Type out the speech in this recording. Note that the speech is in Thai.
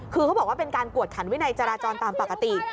คือเขาบอกว่าเป็นการกวดขันวินัยจราจรตามปกติ